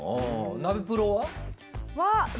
ナベプロは？